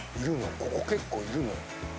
ここ結構いるのよ。